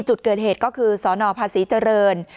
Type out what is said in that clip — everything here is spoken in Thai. จุดเกิดเหตุก็คือศพเจริญ